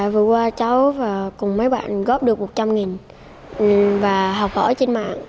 vừa qua cháu cùng mấy bạn góp được một trăm linh và học hỏi trên mạng